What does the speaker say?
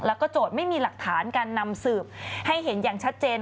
แล้วก็โจทย์ไม่มีหลักฐานการนำสืบให้เห็นอย่างชัดเจน